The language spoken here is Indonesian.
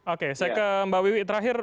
oke saya ke mbak wiwi terakhir